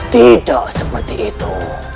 tidak seperti itu